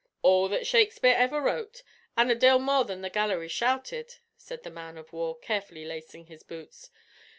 "All that Shakespeare ever wrote, an' a dale more that the gallery shouted," said the man of war, carefully lacing his boots.